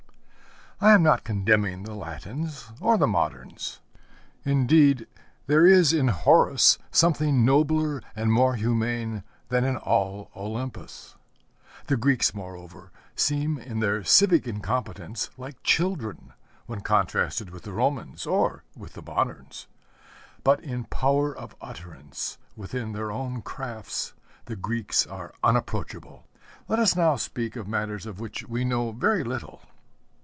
I am not condemning the Latins, or the moderns. Indeed, there is in Horace something nobler and more humane than in all Olympus. The Greeks, moreover, seem in their civic incompetence like children, when contrasted with the Romans or with the moderns. But in power of utterance, within their own crafts, the Greeks are unapproachable. Let us now speak of matters of which we know very little.